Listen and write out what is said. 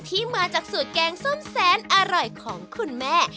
ที่มาจากสูตรแกงส้มแสนอร่อยของคุณแม่